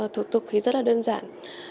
thủ tục thì rất là đơn giản